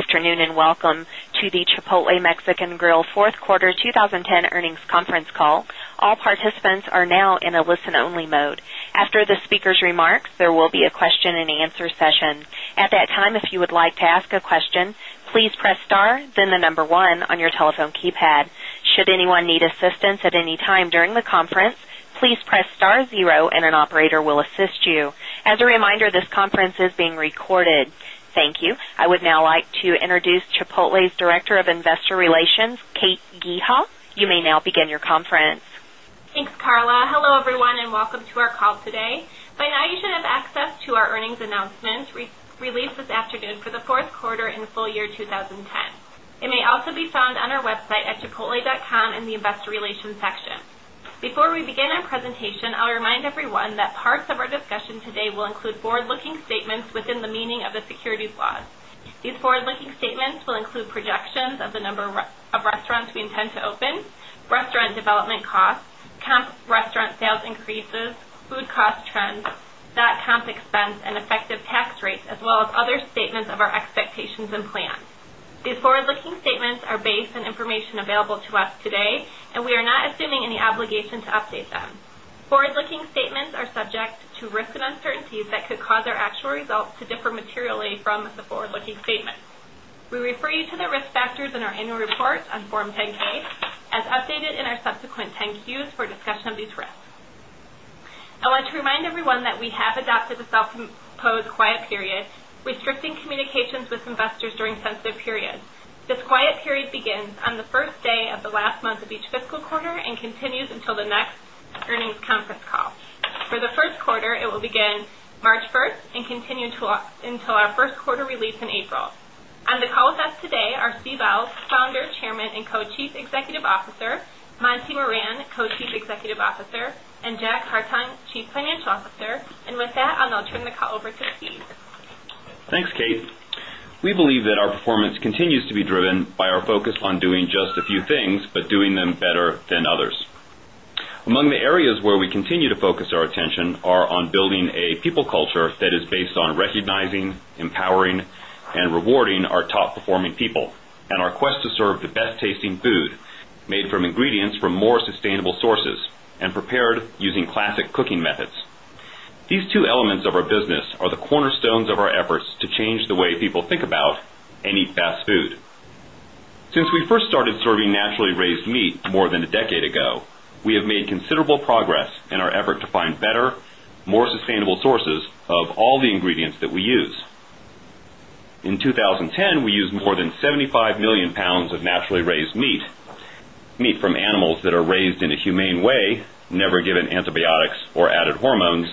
Good afternoon, and welcome to the Chipotle Mexican Grill 4th Quarter 2010 Earnings Conference Call. As a reminder, this conference is being recorded. Thank you. I would now like to introduce Chipotle's Director of Investor Relations, Kate Geehaw. You may now begin your conference. Thanks, Carla. Hello, everyone, and welcome to our call today. By now, you should have access to our earnings announcement released this afternoon for the Q4 and full year 2010. It may also be found on our website at chipotle.com in the Investor Relations section. Before we begin our presentation, I'll remind everyone that parts of our discussion today will include forward looking statements within the meaning of the securities laws. These forward looking statements will include projections of the number of restaurants we intend to open, restaurant development costs, comp restaurant sales increases, food cost trends, stock comp expense and effective tax rates as well as other statements of our expectations and plans. These forward looking statements are based on information available to us today, and we are not assuming any obligation to update them. Forward looking statements are subject to risks and uncertainties that could cause our actual results to differ materially from the forward looking statements. We refer you to the risk factors in our Annual Report on Form 10 ks as updated in our subsequent 10 Qs for a discussion of these risks. I want to remind everyone that we have adopted a self imposed quiet period, restricting communications with investors during sensitive periods. This quiet period begins on the 1st day of the last month of each fiscal quarter and continues until the next earnings conference call. For the Q1, it will begin March 1 and continue until our Q1 release in April. On the call with us today are Steve Als, Founder, Chairman and Co Chief Executive Officer Manthi Moran, Co Chief Executive Officer and Jack Hartung, Chief Financial Officer. And with that, I'll now turn the call over to Steve. Thanks, Kate. We believe that our performance continues to be driven by our focus on doing just a few things, but doing them better than others. Among the areas where we continue to focus our attention are on building a people culture that is based on recognizing, empowering and rewarding our top performing people and our quest to serve the best tasting food made from ingredients from more sustainable sources and prepared using classic cooking methods. These two elements of our business are the cornerstones of our efforts to change the way people think about and eat fast food. Since we first started serving naturally raised meat more than a decade ago, we have made considerable progress in our effort to find better, more sustainable sources of all the ingredients that we use. In 2010, we used more than 70 £5,000,000 of naturally raised meat, meat from animals that are raised in a humane way, never given antibiotics or added hormones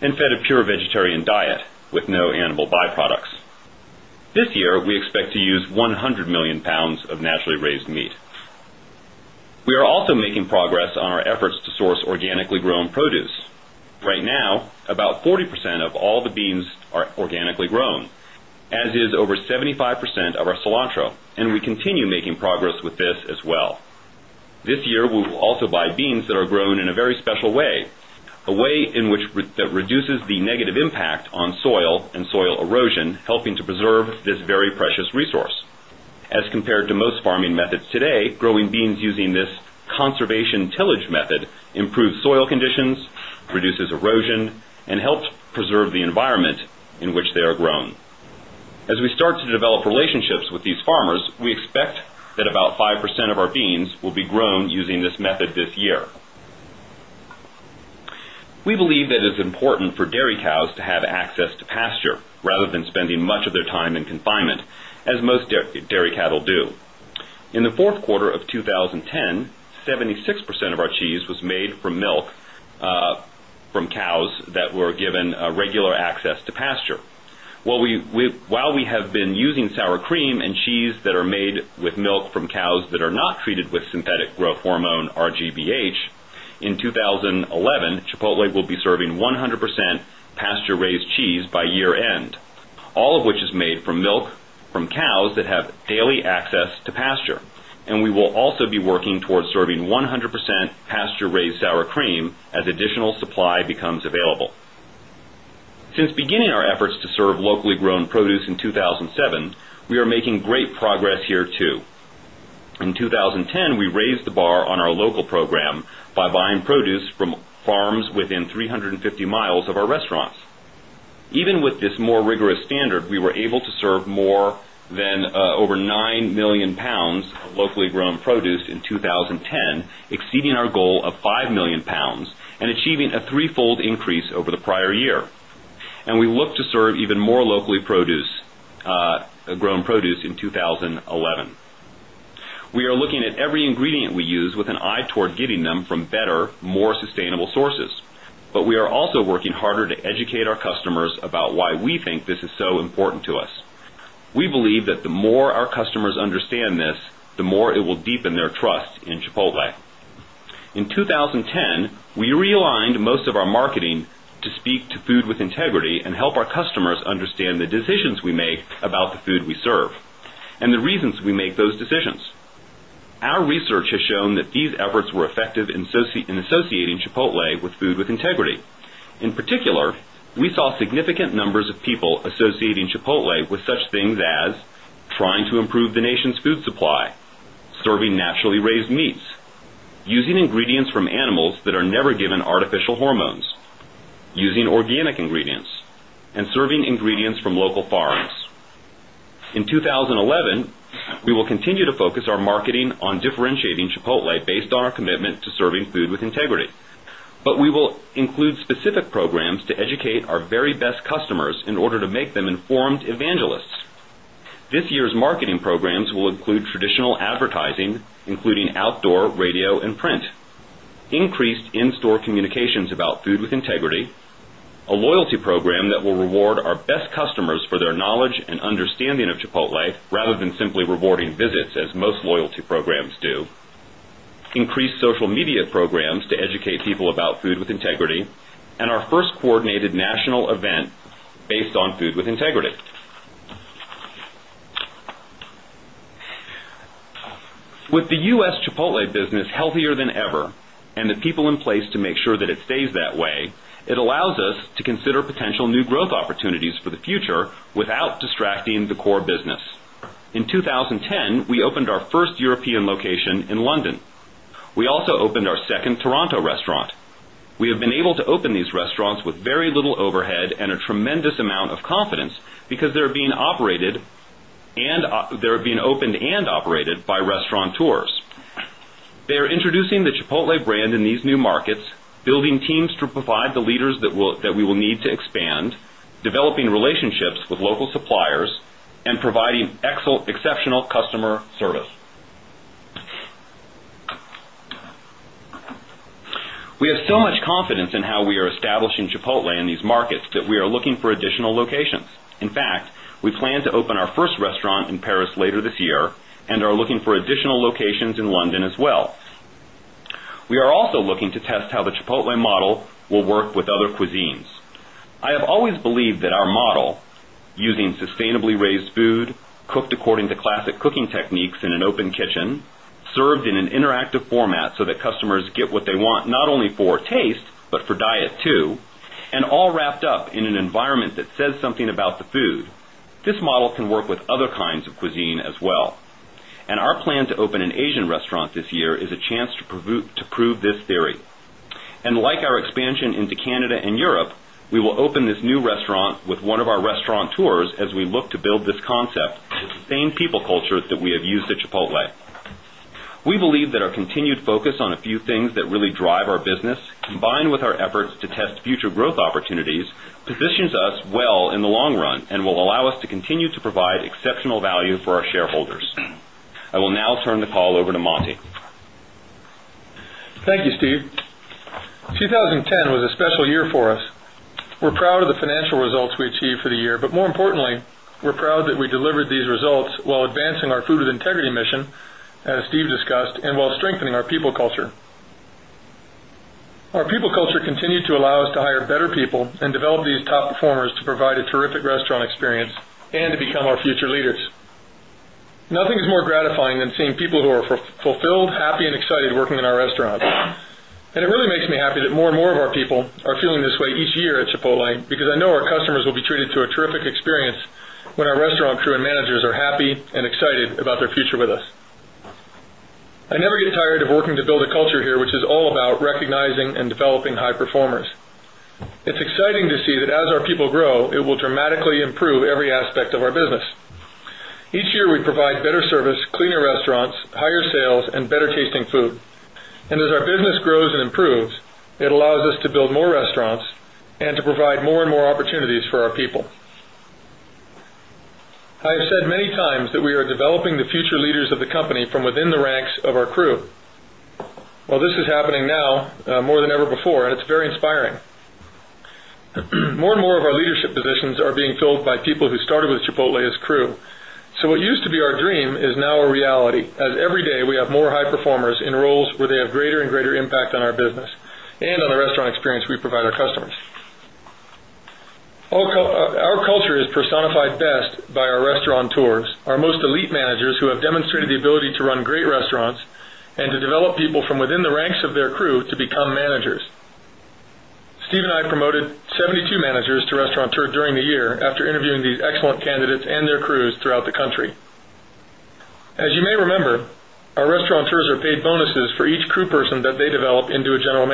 and fed a pure vegetarian diet with no animal byproducts. This year, we expect to use £100,000,000 of naturally raised meat. We are also making progress on our efforts to source organically grown produce. Right now, about 40% of all the beans are organically grown, as is over 75% of our cilantro and we continue making progress with this as well. This year, we will also buy beans that are grown in a very special way, a way in which that reduces the negative impact on soil and soil erosion, helping to preserve this soil conditions, reduces erosion and helps preserve the environment in which they are grown. As we start to develop relationships with these farmers, we expect that about 5% of our beans will be grown using this method this year. We believe it is important for dairy cows to have access to pasture rather than spending much of their time in confinement as most dairy cattle do. In the Q4 of 2010, 76% of our cheese was made from milk from cows that were given regular access to pasture. While we have been using sour cream and cheese that are made with milk from cows that are not treated with synthetic growth hormone RGBH, in 2011, Chipotle will be serving 100% pasture raised cheese by year end, all of which is made from milk from cows that have daily access to pasture, and we will also be working towards serving 100% pasture raised sour cream as additional supply becomes available. Since beginning our efforts to serve locally grown produce in 2007, we are making great progress here too. In 2010, we raised the bar on our local program by buying produce from farms within 3 50 miles of our restaurants. Even with this more rigorous standard, we were able to serve more than over £9,000,000 of locally grown produce in 20 10, exceeding our goal of locally grown produce in 20.10, exceeding our goal of £5,000,000 and achieving a threefold increase over the prior year. And we look to serve even more locally produce grown produce in 20 11. We are looking at every ingredient we use with an eye toward getting them from better, more sustainable sources, but we are also working harder to educate our customers about why we think this is so important to us. We believe that the more our customers understand this, the more it will deepen their trust in Chipotle. In 2010, we realigned most of our marketing to speak to food with integrity and help our customers understand the decisions we make about the food we serve and the reasons we make those decisions. Our research has shown that these efforts were effective in associating Chipotle with food with integrity. In particular, we saw significant numbers using ingredients from animals that are never given artificial hormones, using organic ingredients and serving ingredients from local farms. In 2011, we will continue to focus our marketing on differentiating Chipotle based on our commitment to serving food with integrity, but we will include specific programs to educate our very best customers in order to make them informed evangelists. This year's marketing programs will include traditional advertising, including outdoor radio and print, increased in store communications about rewarding visits as most loyalty programs do, increased social media programs to educate people about food with integrity and our 1st coordinated national event based on food with integrity. With the U. S. Chipotle business healthier than ever and the people in place to make sure that it stays that way, it allows us to consider potential new growth opportunities for the future without distracting the core business. In 2010, we opened our 1st European location in London. We also opened our 2nd Toronto restaurant. We have been able to open these restaurants with very little overhead and a tremendous amount of confidence because they're being opened and operated by restaurant tours. They are introducing the Chipotle brand in these new markets, building teams to provide the leaders that we will need to expand, developing relationships with local suppliers and providing exceptional customer in these markets that we are looking for additional locations. In fact, we plan to open our first restaurant in Paris later this year and are looking for additional locations in London as well. We are also looking to test how the Chipotle model will work with other cuisines. I have always believed that our model, using sustainably raised food, cooked according to class cooking techniques in an open kitchen, served in an interactive format so that customers get what they want not only for taste, but for diet too and all wrapped up in an environment that says something about the food. This model can work with other kinds of cuisine as well. And our plan to open an Asian restaurant this year is a chance to prove this theory. And like our expansion into Canada and Europe, we will open this new restaurant with 1 of our restaurant tours as we look to build this concept with the same people culture that we have used at Chipotle. We believe that our continued focus on a few things that really drive our business, combined with our efforts to test future growth opportunities, call over to Monty. Thank you, Steve. 2010 was a special year for us. We're proud of the financial results we achieved for experience and to become our future leaders. Nothing is more gratifying than seeing people who are fulfilled, happy and excited working in our restaurants. And it really makes me happy that more and more of our people are feeling this way each year at Chipotle because I know our customers will be treated to a terrific experience when our restaurant crew and managers are happy and excited about their future with us. I never get tired of working to build a culture here, which is all about recognizing and developing high performers. It's exciting to see that as our people grow, it will dramatically improve every aspect of our business. Each year, we provide better service, cleaner restaurants, higher sales and better tasting food. And as our business grows and improves, it allows us to build more restaurants and to provide more and more opportunities for our people. I have said many times that we are developing the future leaders of the company from within the ranks of our crew. While this is happening now more than ever before and it's very inspiring. More and more of our leadership positions are being filled by people who started with Chipotle as crew. So, what used to be our dream is now a reality, as every day we have more high performers in roles where they have greater and greater impact on our business and on the restaurant experience we provide our customers. Our culture is personified best by our restaurant tours, our most elite managers who have demonstrated the ability to run great restaurants and to develop people from within the ranks of their crew to become managers. Steve and I promoted 72 managers to Restauranteur during the year after interviewing these excellent candidates and their crews throughout the country. As you may remember, our Restaurateurs are paid bonuses for each crew person that they develop into a General 5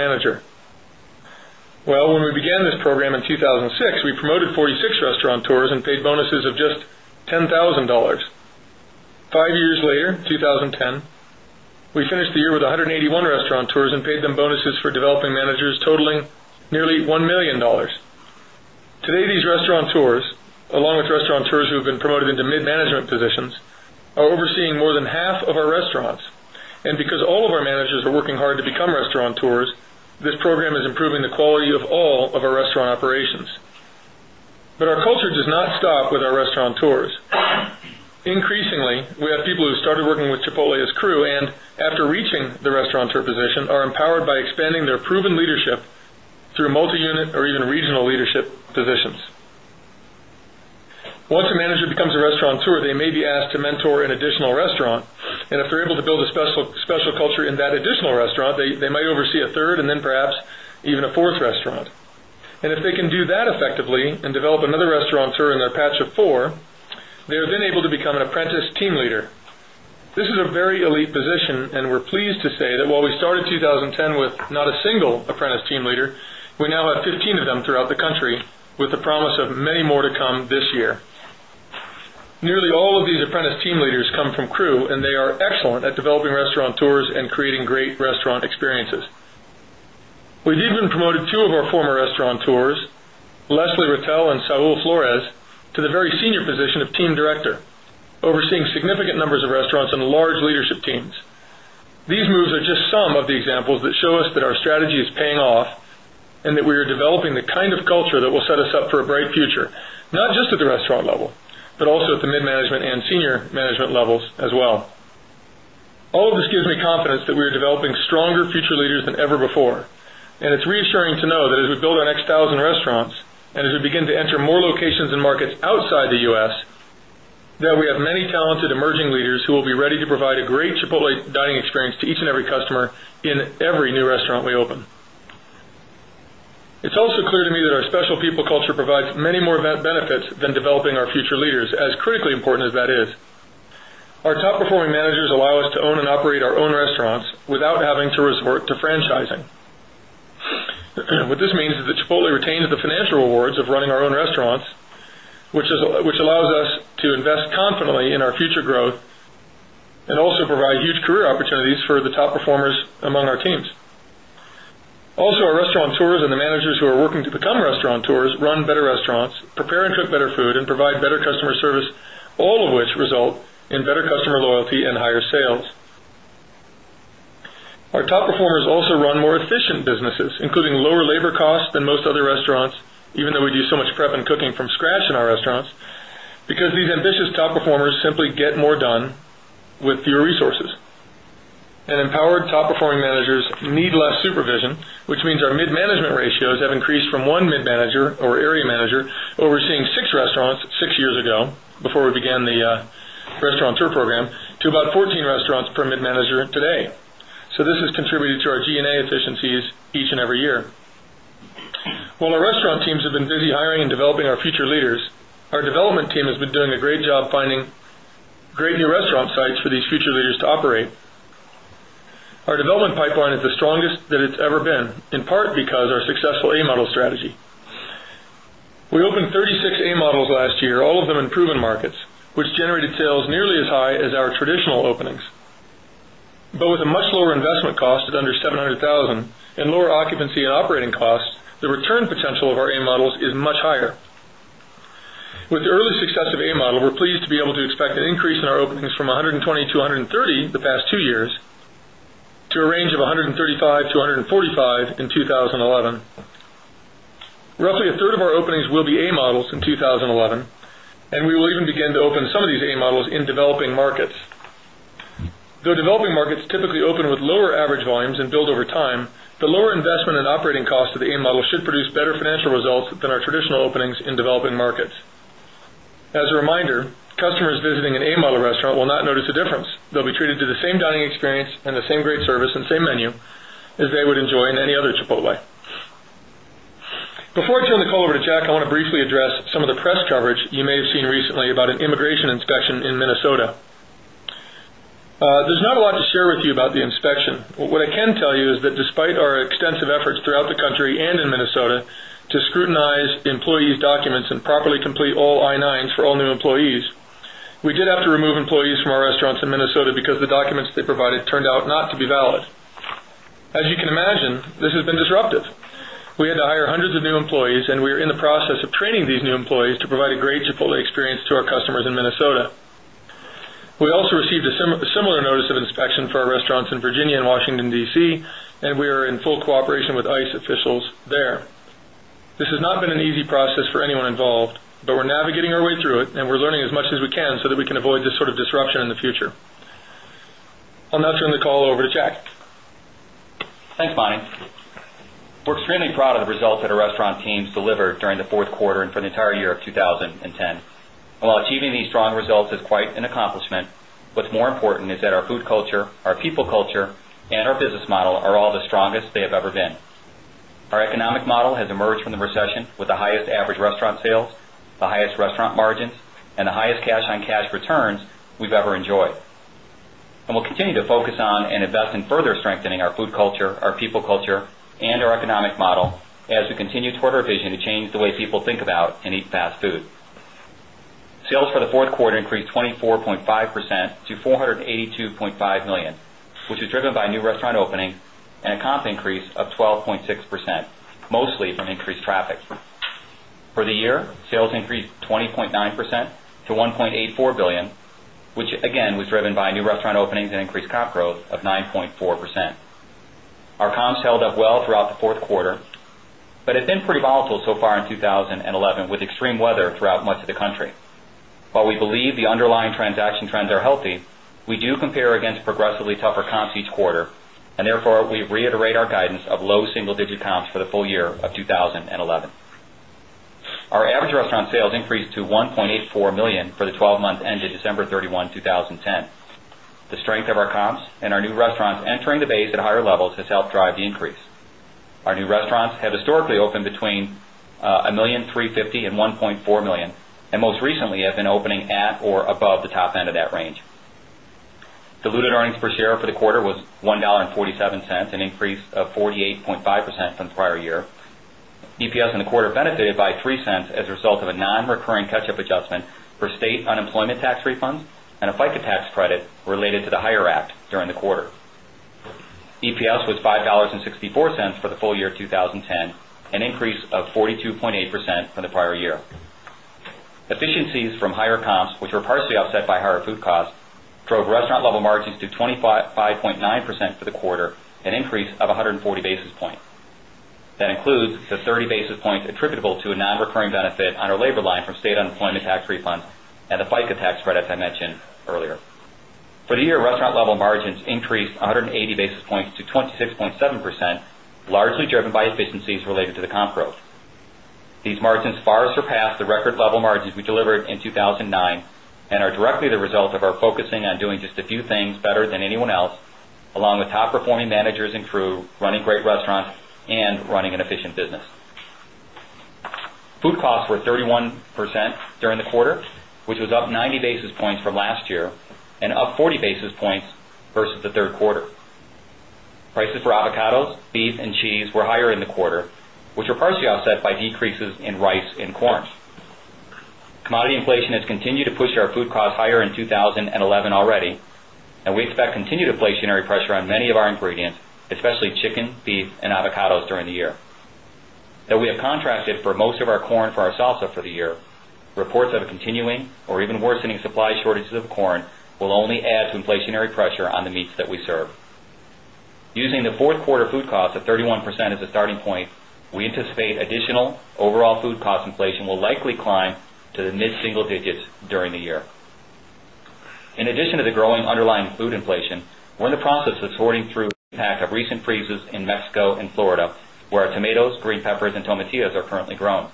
years later, 2010, we finished the year with 181 restaurant tours and paid them bonuses for developing managers totaling nearly $1,000,000 Today, these restaurant tours, along with restaurant tours who have been promoted into mid management positions, are overseeing more than half of our restaurants. And because all of our managers are working hard to become restauranteurs, this program is improving the quality of all of our restaurant operations. Chipotle as crew and after reaching the restauranteur position are empowered by expanding their proven leadership through multi unit or regional leadership positions. Once a manager becomes a restaurant tour, they may be asked to mentor an additional restaurant. And if they're able to build a special culture in that additional restaurant, they might oversee a third and then perhaps even a 4th restaurant. And if they can do that effectively and develop another restaurant during their patch of 4, they are then able to become an apprentice team leader. This is a very elite position and we're pleased to say that while we started 2010 with not a single apprentice team leader, we now have 15 of them throughout the country with the promise of many more to come this year. Nearly all of these apprentice team leaders come from CRU and they are excellent at developing restaurant tours and creating great restaurant experiences. We've even promoted 2 of our former restaurant tours, Leslie Rittel and Saul Flores strategy is paying off and that we are developing the kind of culture that will set us up for a bright future, not just at the restaurant level, but also at the mid management and senior management levels as well. All of this gives me confidence that we are developing stronger future leaders than ever before. And it's reassuring to know that we build our next 1,000 restaurants and as we begin to enter more locations and markets outside the U. S, that we have many talented emerging leaders who will be ready to provide a great Chipotle dining experience to each and every customer in every new restaurant we open. It's also clear to me that our special people culture provides many more than developing our future leaders as critically important as that is. Our top performing managers allow us to own and operate our own restaurants without having to resort to franchising. What this means is that Chipotle retains the financial rewards of running our own restaurants, which allows us to invest confidently in our future growth and also provide huge career opportunities for the top performers among our teams. Also, our restaurant tours and the managers who are working to become restaurant tours run better restaurants, prepare and cook better food and provide better customer service, all of which result in better customer loyalty and higher sales. Our top performers also run more efficient businesses, including lower labor costs than most other restaurants, even though we do so much prep and cooking from scratch in our restaurants, because these ambitious top performers simply get more done with fewer resources. And empowered top performing managers need less supervision, which means our mid management ratios have increased from 1 mid manager or area manager overseeing 6 restaurants 6 years ago, before we began the restaurant tour program to about 14 restaurants permit manager today. So this has contributed to our G and A efficiencies each and every year. While our restaurant teams have been busy hiring and developing our future leaders, our development team has been doing a great job finding great new restaurant sites these future leaders to operate. Our development pipeline is the strongest that it's ever been, in part because our successful A Model strategy. We opened 36 A Models last year, all of them in proven markets, which generated sales nearly as high as our traditional openings. But with a much lower investment cost is under $700,000 and lower occupancy and operating costs, the return potential of our A Models is much higher. With the early success of A Model, we're pleased to be able to expect an increase in our openings from 120 to 130 the past 2 years to a range of 135 to 145 in 2011. Roughly a third of our openings will be A Models in 2011, and we will even begin to open some of these A Models in developing markets. The developing markets typically open with lower average volumes and build over time, the lower investment and operating cost of the A Model should produce better financial results than our traditional openings in developing markets. As a reminder, customers visiting an A Model restaurant will not notice a difference. They'll be treated the same dining experience and the same great service and same menu as they would enjoy in any other Chipotle. Before I turn the call over to Jack, I want to briefly address some of the press coverage you may have seen recently about an immigration inspection in Minnesota. There's not a lot to share with you about the inspection. What I can tell you is that despite our extensive efforts throughout the country and in Minnesota to scrutinize employees documents and properly complete all I9s for all new employees, and We had to hire hundreds of new employees and we are in the process of training these new employees to provide a great Chipotle experience to our customers in Minnesota. We also received a similar notice of inspection for our restaurants in Virginia and Washington DC and we are in full cooperation with ICE officials there. This has not been an easy process for anyone involved, but we're navigating our way through it and we're learning as much as we can so that we can avoid this sort of disruption in the future. I'll now turn the call over to Jack. Thanks, Bonnie. We're extremely proud of the results that our restaurant teams delivered during the Q4 and for the entire year of 2010. While achieving these strong results is quite an accomplishment, what's more important is that our food culture, our people culture and our business model are all the strongest they have ever been. Our economic model has emerged from recession with the highest average restaurant sales, the highest restaurant margins and the highest cash on cash returns we've ever enjoyed. And we'll continue to focus on and invest in further strengthening our food culture, our people culture and our economic model as we continue toward our vision to change the way people think about and eat fast food. Sales for the 4th quarter increased 24.5 percent to 482 was percent to $1,840,000,000 which again was driven by new restaurant openings and increased comp growth of 9.4%. Our comps held up well throughout the 4th quarter, but have been pretty volatile so far in 2011 with extreme weather throughout much of the country. While we believe the underlying transaction trends are healthy, we do compare against progressively tougher comps each quarter and therefore we reiterate our guidance of low single digit comps for the full year of 2011. Our average restaurant sales increased to $1,840,000 for the 12 months ended December 31, 2010. The strength of our comps and our new restaurants entering the base at higher levels has helped drive the increase. Our new restaurants have historically opened between $1,350,000 $1,400,000 and most recently have been opening at or above the top end of that range. Diluted earnings per share for the quarter was $1.47 an increase of 40 8.5% from prior year. EPS in the quarter benefited by $0.03 as a result of a non recurring catch up adjustment for state unemployment tax refunds and a FICA tax credit related to the HIRE Act during the quarter. EPS was $5.64 for the full year of 2010, an increase of 42.8% from the prior year. Efficiencies from higher comps, which were partially offset by higher food costs, drove restaurant level margins to 25.9 percent for the quarter, an increase of 100 40 basis points. That includes the 30 basis points attributable to a non recurring benefit on our labor line from state unemployment tax refunds and the FICA tax spread as I mentioned earlier. For the year, restaurant level margins increased 180 basis points to 26.7 percent, largely driven by efficiencies related to the comp growth. These margins far surpassed the record level margins we delivered in 2,009 and are directly the result of efficient business. Food costs were 31% during the quarter, which was up 90 basis points from last year and up 40 basis points versus the 3rd quarter. Prices for avocados, beef and cheese were higher in the quarter, which were partially offset by expect continued inflationary pressure on many of our ingredients, especially chicken, beef and avocados during the year. Though we have contracted for most of our corn for our salsa for the year, reports of a continuing or even worsening supply shortages of corn will only add to inflationary pressure on the meats that we serve. Using the 4th quarter food costs of 31% as a starting point, we anticipate additional overall food cost inflation will likely climb to the mid single digits during the year. In addition to the growing underlying food inflation, we're in the process of sorting through pack of recent freezes in Mexico and Florida, where our tomatoes, green peppers and tomatillos are currently grown.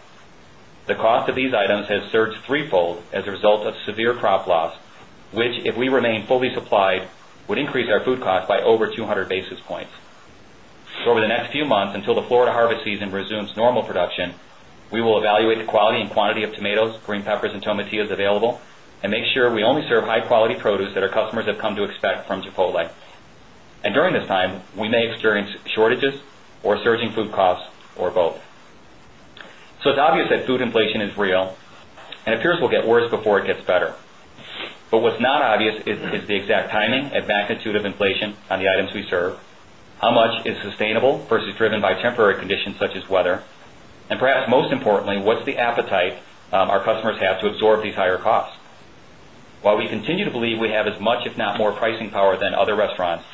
The cost of these items has surged 3 fold as a result of severe crop loss, which if we remain fully supplied would increase our food cost by over 200 basis points. Over the next few until the Florida harvest season resumes normal production, we will evaluate the quality and quantity of tomatoes, green peppers and tomatillos available and make sure we only serve high quality produce that our customers have come to expect from Chipotle. And during this time, we may experience shortages or surging food costs or both. So it's obvious that food inflation is real and it appears we'll get worse before it gets better. But what's not obvious is the exact timing and magnitude of inflation on the items we serve, how much is sustainable versus driven by temporary conditions such as weather, and perhaps most importantly, what's the appetite our customers have to absorb these higher costs. While we continue to believe we have as much if not more pricing power than other restaurants,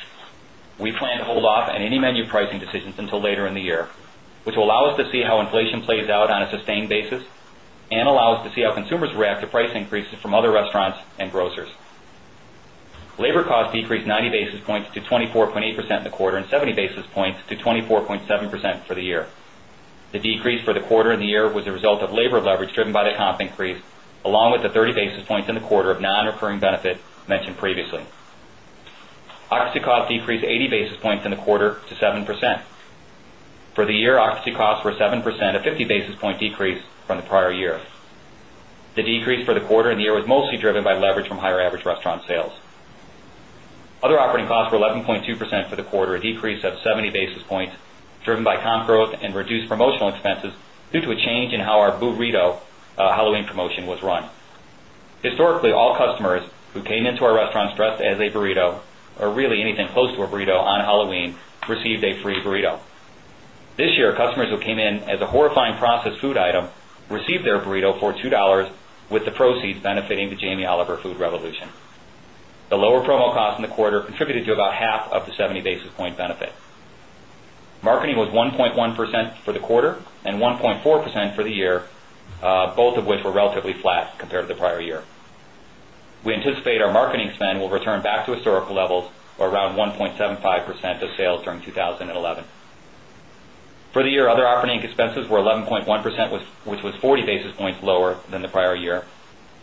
we plan to hold off any menu pricing decisions until later in the year, which will allow us to see how inflation plays out on a sustained basis and allow us to see how consumers react to price increases from other restaurants and grocers. Labor costs decreased 90 basis points to 24.8% in the quarter and 70 basis points to 24.7% for the year. The decrease for the quarter and the year was a result of labor leverage driven by the comp increase along with the 30 basis points in the quarter of non recurring benefit mentioned previously. Occupancy costs decreased 80 basis points in the quarter to 7%. For the year, occupancy costs were 7 percent, a 50 basis point decrease from the prior year. The decrease for the quarter and the year was mostly driven by leverage from higher average restaurant sales. Other operating costs were 11 0.2% for the quarter, a decrease of 70 basis points, driven by comp growth and reduced promotional expenses due to a change in how our BooRito Halloween promotion was run. Historically, all customers who came into our restaurants dressed as a burrito or really anything close to a burrito on Halloween received a free burrito. This year, customers who came in as a horrifying processed food item received their burrito for $2 with the proceeds benefiting the Jamie Oliver Food Revolution. The lower promo cost in the quarter contributed to about half of the seventy basis point benefit. Marketing was 1.1% for the quarter and 1.4% for the year, both of which were relatively flat compared to the prior year. We anticipate our marketing spend will return back to historical levels around 1.75 percent of sales during 2011. For the year, other operating expenses were 11.1%, which was 40 basis points lower than the prior year.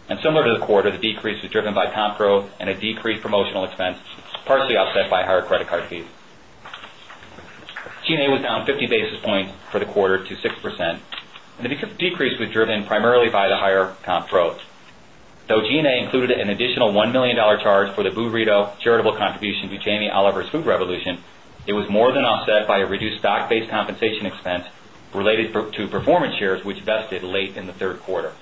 And similar to the quarter, the decrease was driven by comp growth and a decreased promotional expense, partially offset by higher credit card fees. G and A was down 50 basis points for the quarter to 6% and the decrease was driven primarily by the higher growth. Though G and A included an additional $1,000,000 charge for the BooRito charitable contribution to Jamie Oliver's Food Revolution, it was more than offset by a reduced stock based compensation expense related to performance shares, which vested late in Q3.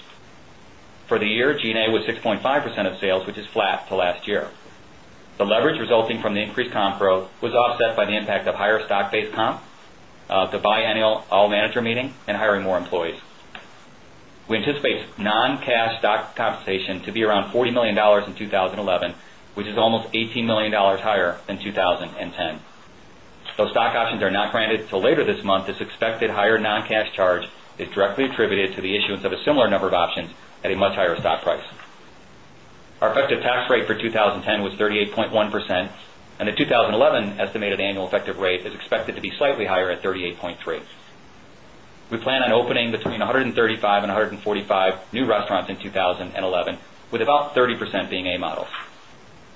For the year, G and A was 6 point 5% of sales, which is flat to last year. The leverage resulting from the increased comp growth was offset by the impact of higher stock based comp, the biannual all manager meeting and hiring more employees. We anticipate non cash stock compensation to be around $40,000,000 in 20.11, which is almost $18,000,000 higher than 20.10. Though stock options are not granted until later this month, this expected higher non cash charge is directly attributed to the issuance of a similar number of options at a much higher stock price. Our effective tax rate for 20.10 was 38.1% and the 20 11 estimated annual effective rate is expected to slightly higher at 38.3%. We plan on opening between 135 145 new restaurants in 2011 with about 30 percent being A Models.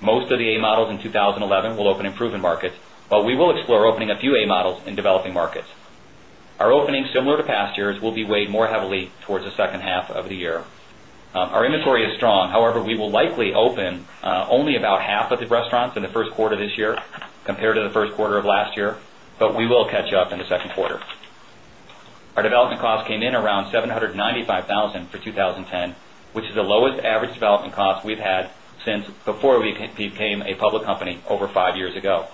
Most of the A Models in 2011 will open in proven markets, but we will explore opening a few A Models in developing markets. Our openings similar to past years be weighed more heavily towards the second half of the year. Our inventory is strong. However, we will likely open only about half of the restaurants in the Q1 this year compared to the Q1 of last year, but we will catch up in the Q2. Our development costs came in around $795,000 for 20.10, which is the lowest average development cost we've had since before we became a public company over 5 years ago.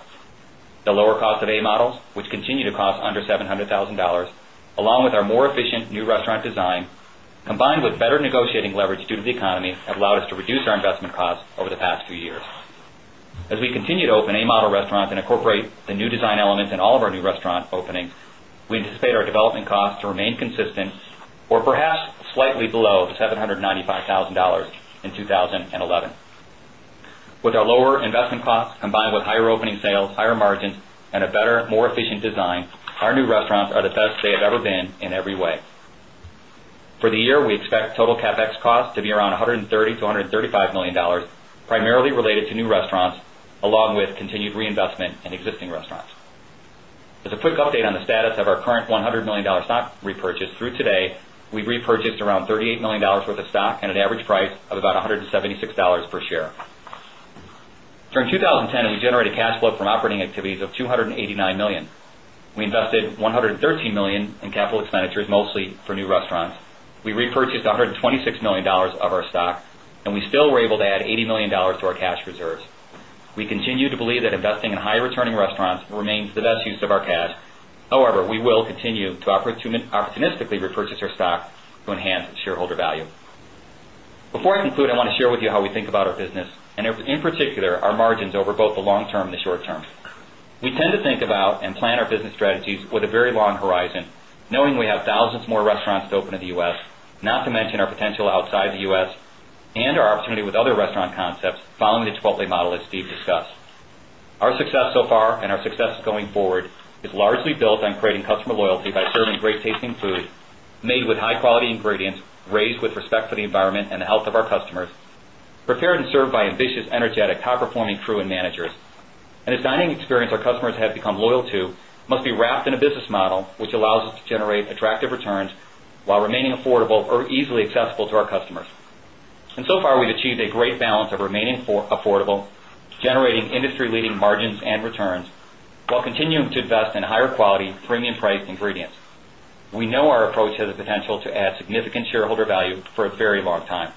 The lower cost of A models, which continue to cost under $700,000 along with our more efficient new restaurant design combined with better negotiating leverage due to the economy have allowed us to reduce our investment costs over the past few years. As we continue to open A Model restaurants and incorporate the new design elements in all of our new restaurant openings, we anticipate our development costs to remain consistent or perhaps slightly below 795 $1,000 in 2011. With our lower investment costs combined with higher opening sales, higher margins and a better more efficient design, our new restaurants are the best they have ever been in every way. For the year, we expect total CapEx costs to be around $130,000,000 to $135,000,000 primarily related to new restaurants along with continued reinvestment in existing restaurants. As a quick update on the status of our current $100,000,000 stock repurchase through today, we've repurchased around $38,000,000 worth of stock at an average price of about $176 per share. During 2010, we generated cash flow from operating activities of $289,000,000 We invested $113,000,000 in capital expenditures mostly for new restaurants. We repurchased $126,000,000 of our stock and we still were able to add $80,000,000 to our cash reserves. We continue to believe that investing in high returning restaurants remains the best use of our cash. However, we will continue to opportunistically repurchase our stock enhance shareholder value. Before I conclude, I want to share with you how we think about our business and in particular our margins over both the long term and the short term. We tend to think about and plan our business strategies with a very long horizon knowing we have thousands more restaurants to open in the U. S, not to mention our potential outside the U. S. And our opportunity with other restaurant concepts following the Chipotle model as Steve discussed. Our success so far and our success going forward is largely built on creating customer loyalty by serving great tasting food, made with high quality ingredients, raised with respect for the environment and the health of our customers, prepared and served by ambitious energetic high performing crew and managers. And a dining experience our customers have become loyal to must be wrapped in a a business model, which allows us to generate attractive returns, while remaining affordable or easily accessible to our customers. And so far, we've achieved a great balance of remaining affordable, generating industry leading margins and returns, while continuing to invest in higher quality premium priced ingredients. We know our approach has the potential to add significant shareholder value for a very long time.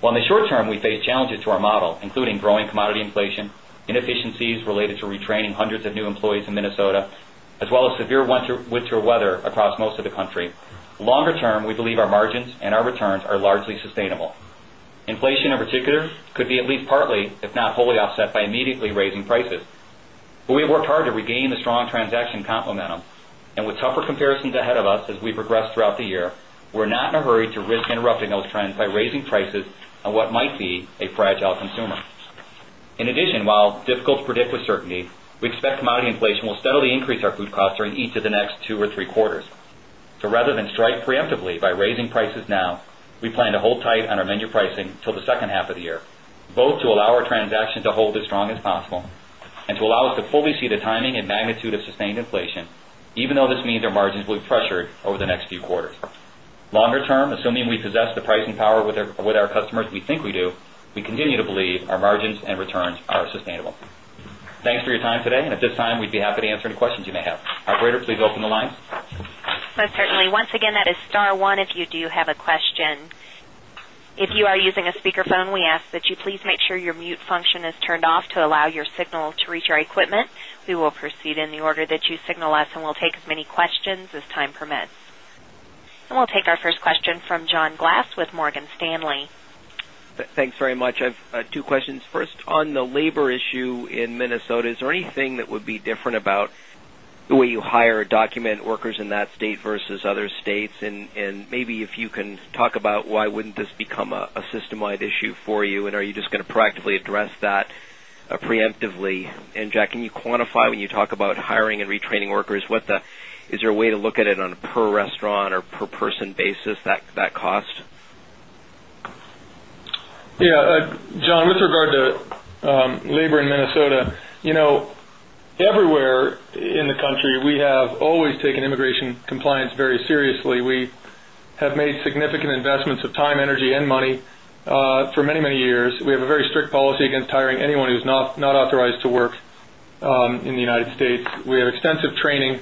While in the short term, we face challenges to our model, including growing commodity inflation, inefficiencies related to retraining hundreds of new employees in Minnesota, as well as severe winter weather across most of the country, longer term, we believe our margins and our returns are largely sustainable. Inflation in particular could be at least partly, if not wholly offset by immediately raising prices. But we worked hard to regain the strong transaction comp momentum and with tougher comparisons ahead of us as we progress throughout the year, we're not in a hurry to risk interrupting those trends by raising prices on what might be a fragile consumer. In addition, while difficult to predict with certainty, we expect commodity inflation will steadily increase our food costs during each of the next 2 or 3 quarters. So rather than strike preemptively by raising prices now, we plan to hold tight on our menu pricing till the second half of the year, both to allow our transaction to hold as strong as possible and to allow us to fully see the timing and magnitude of sustained inflation, even though this means our margins will be pressured over the next few quarters. Longer term, assuming we possess the pricing power with our customers we think we do, we continue to believe our margins and returns are sustainable. Thanks for your time today. And at this time, we'd be happy to answer any questions you may have. Operator, please open the lines. And we'll take our first question from John Glass with Morgan Stanley. First on the labor issue in Minnesota, is there anything that would be different about the way you hire document workers in that state versus other states? And maybe if you can talk about why wouldn't this become a system wide issue for you? And are you just going to proactively address that preemptively? And Jack, can you quantify when you talk about hiring and retraining workers what the is there a way to look at it on a per restaurant or per person basis that cost? Yes. John, with regard to labor in Minnesota, everywhere in the country, we have always taken immigration compliance very seriously. We have made significant investments of time, energy and money for many, many years. We have a very strict policy against hiring anyone who's not authorized to work in the United States. We have extensive training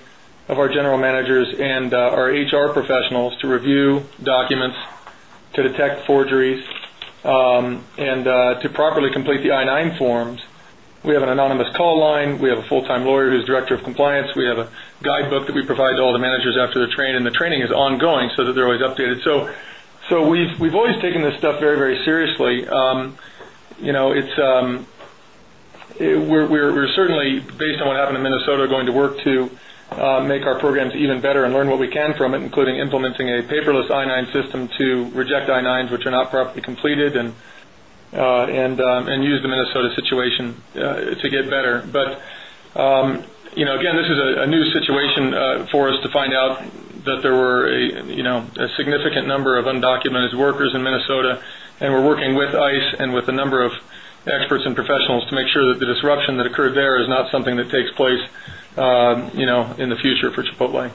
of our general managers and our HR professionals to review documents, to detect forgeries and to properly complete the I-nine forms. We have an anonymous call line, we have a full time lawyer who is Director of Compliance, we have a guidebook that we provide to all the managers after the training and the training is ongoing, so that they're always updated. So, we've always taken this stuff very, very seriously. It's we're certainly based on what happened in Minnesota going to work to make our programs even better and learn what we can from it, including implementing a paperless I-nine system to reject I-nine which are not properly completed and use the Minnesota situation to get better. But again, this is a new situation for us to find out that there were a significant number of undocumented workers in Minnesota and we're working with ICE and with a number of experts and professionals to make sure that the disruption that occurred there is not something that takes place in the future for Chipotle.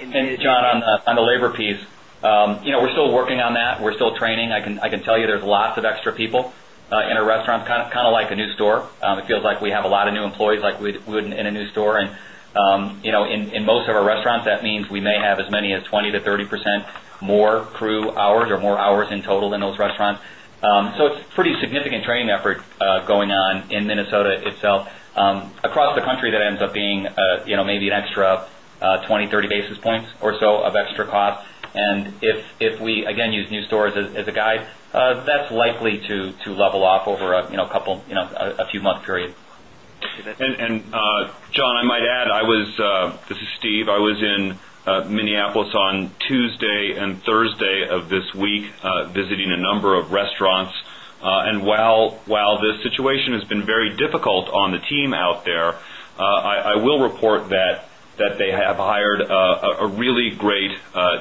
And then, John, on the labor piece, we're still working on that. We're still training. I can tell you there's lots of extra people in a restaurant, kind of like a new store. It feels like we have a lot of new employees like we would in a new store. And in most of our restaurants, that means we may have as many as 20% to 30 percent more crew hours or more hours in total in those restaurants. So, it's pretty significant training effort going on in Minnesota itself. Across the country, that ends up being maybe an extra 20, 30 basis points or so of extra cost. And if we again use new stores as a guide, that's likely to level off over a couple a few month period. And John, I might add, I was this is Steve. I was in Minneapolis on Tuesday Thursday of this week, visiting a number of restaurants. And while this situation has been very difficult on the team out there, I will report that they have hired a really great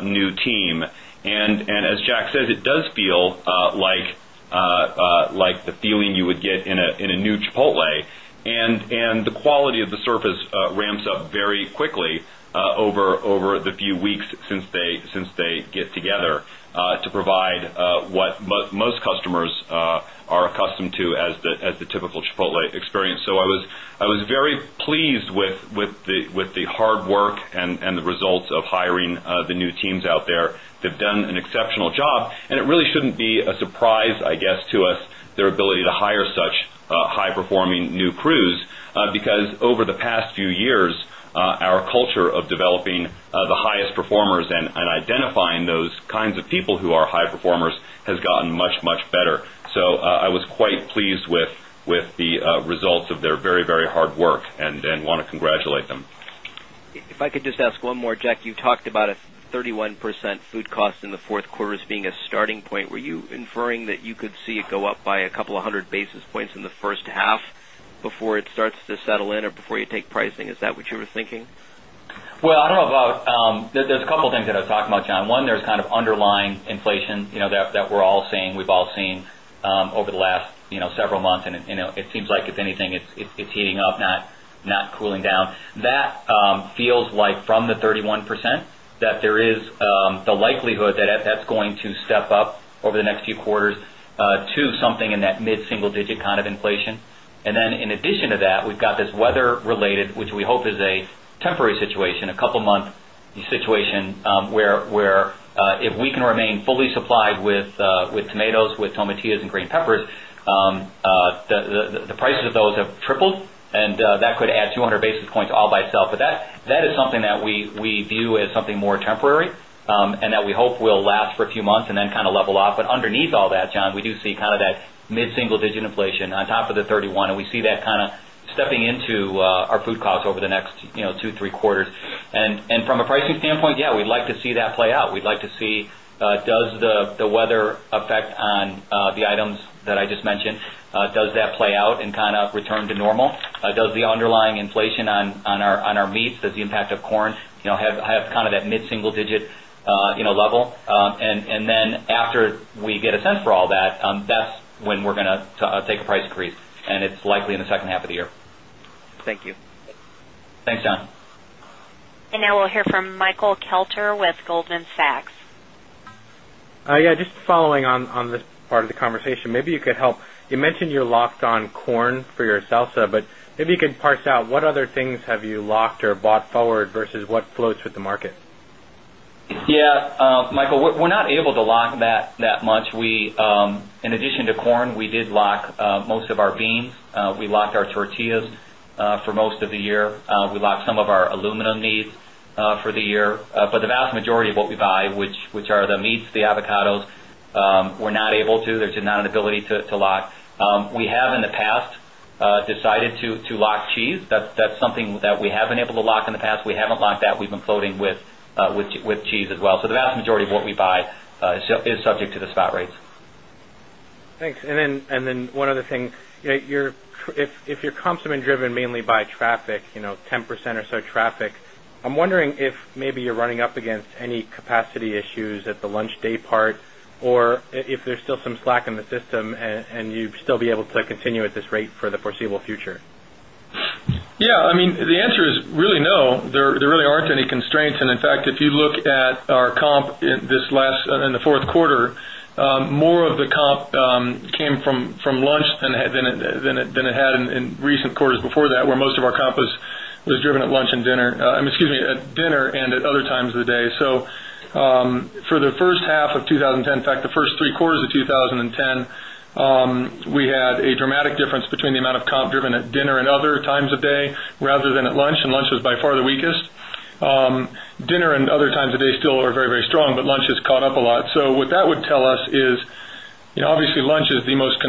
new team. And as Jack said, it does feel like the feeling you would get in a new Chipotle. And the quality of the surface ramps up very quickly over the few weeks since they get together to provide what most customers are accustomed to as the typical Chipotle experience. So I was very pleased with the hard work and the results of hiring the new teams out there. They've done an exceptional job and it really shouldn't be a surprise, I guess, to us their ability to hire such high performing new crews because over the past few years, our culture of developing the highest performers and identifying those kinds of people who are high performers has gotten much, much better. So I was quite pleased with the results of their very, very hard work and want to congratulate them. If I could just ask one more, Jack, you've talked about a 31% food cost the 4th quarter as being a starting point. Were you inferring that you could see it go up by a couple of 100 basis points in the first half before it starts to settle in or before you take pricing? Is that what you were thinking? Well, I don't know about there's a couple of things that I was talking about, John. One, there's kind of underlying inflation that we're all seeing, we've all seen over the last several months. And it seems like, if anything, it's heating up, not cooling down. That feels like from the 31% that there is the likelihood that that's going to step up over the next few quarters to something in mid single digit kind of inflation. And then in addition to that, we've got this weather related, which we hope is a temporary situation, a couple of months situation, where if we can remain fully supplied with tomatoes, with tomatillos and green peppers, the prices of those have tripled and that could add 200 basis points all by itself. But that is something that we view as something more temporary and that we hope will last for a few months and then kind of level off. But underneath all that, John, we do see kind of that mid single digit inflation on top of the 31. We see that kind of stepping into our food costs over the next 2, 3 quarters. And from a pricing standpoint, yes, we'd like to see that play out. We'd like to see does the weather affect on the items that I just mentioned, does that play out and kind of return to normal? Does the underlying inflation on our meats does the impact of corn have kind of that mid single digit level? And then after we get a sense for all that, that's when we're going to take a price increase and it's likely in the second half of the year. Thank you. Thanks, John. And now we'll hear from Michael Kelter with Goldman Sachs. Yes. Just following on this part of the conversation, maybe you could help. You mentioned you're locked on addition, Michael, we're not able to lock that much. In addition to corn, we did lock most of our beans. We locked our tortillas for most of the year. We locked some of our aluminum needs for the year. But the vast majority of what we buy, which are the meats, the avocados, we're not able to. There's an inability to lock. We have in the past decided to lock cheese. That's something that we have been able to lock in the past. We haven't locked that. We've been floating with cheese as well. So the vast majority of what we buy is subject to the spot rates. Thanks. And then one other thing, if your comps have been driven mainly by traffic, 10% or so traffic, I'm wondering if maybe you're running up against any capacity issues the lunch day part or if there's still some slack in the system and you'd still be able to continue at this rate for the foreseeable future? Yes. I mean, the answer is really no. There really aren't any constraints. And in fact, if you look at our comp in this last in the 4th quarter, more of the comp came from lunch than it had in recent quarters before that, where most of comp was driven at lunch and dinner excuse me, at dinner and at other times of the day. So, for the first half of twenty ten, in fact the first three quarters of 2010, we had a dramatic difference between the amount of comp driven at dinner and other times of day rather than at lunch, and lunch was by far the weakest. Dinner and other times of day still are very, very strong, but lunch has caught up a lot. So, what that would tell us is, obviously lunch is the most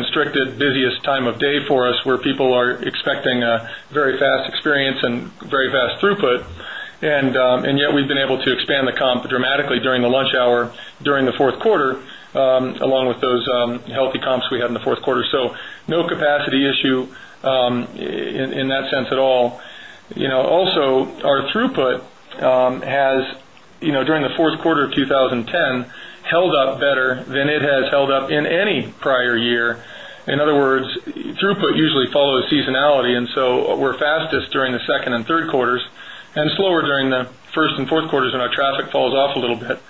dramatically during the lunch hour during the Q4 along with those healthy comps we had in the Q4. So, no capacity issue in that sense at all. Also, our throughput has during the Q4 of 2010 held up better than it has held up in any prior year. In other words, throughput usually follows seasonality and so we're fastest during the second and third quarters and slower during the first and fourth quarters when our traffic falls off a little bit.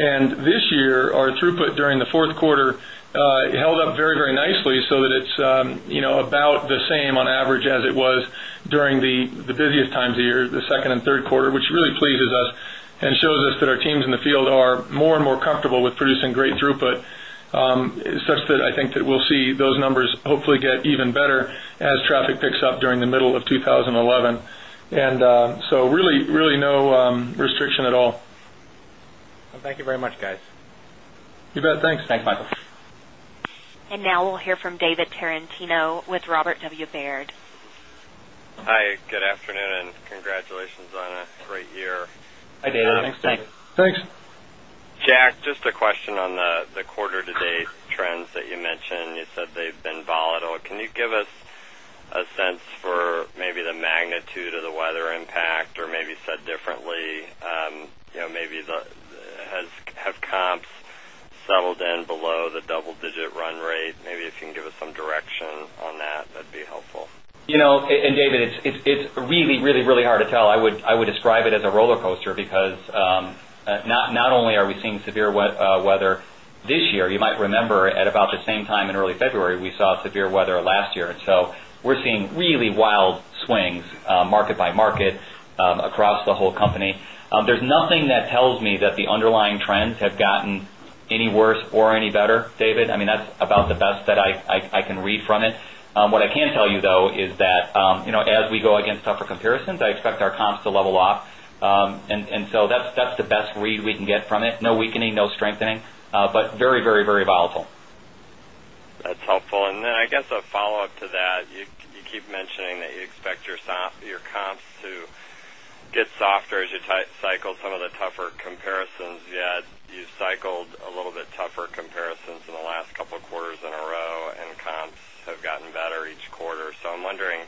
And year, our throughput during the Q4 held up very, very nicely, so that it's about the same on average as it was during the busiest times of the year, the second and third quarter, which really pleases us and shows us that our teams in the field are more and more comfortable with producing great throughput, such that I that we'll see those numbers hopefully get even better as traffic picks up during the middle of 2011. And so really, really no with Robert W. Baird. Hi, good afternoon and congratulations on a great year. Hi, David. Thanks. Jack, just a question on the quarter to date trends that you mentioned. You said they've been volatile. Can you give us a settled in below the double digit run rate? Maybe if you can give us some direction on that, that'd be helpful. And David, it's really, really, really hard to tell. I would describe it as a roller coaster, because not only are we seeing severe weather this year, you might remember at about the same time in early February, we saw severe weather last year. And so we're seeing really wild swings market by market across the whole company. There's nothing that tells me that the underlying trends have gotten any worse or any better, David. I mean, that's about the best that I can read from it. What I can tell you though is that, as we go against tougher comparisons, I expect our comps to level off. And so that's the best read we can get from it. No weakening, no strengthening, but very, very, very volatile. That's helpful. And then I guess a follow-up to that. You keep mentioning that you expect your comps to get softer as you cycle some of the tougher comparisons. Yet you've cycled little bit tougher comparisons in the last couple of quarters in a row and comps have gotten better each quarter. So, I'm wondering